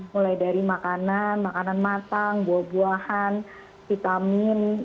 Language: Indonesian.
mulai dari makanan makanan matang buah buahan vitamin